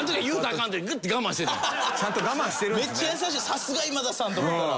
さすが今田さん！と思ったのに。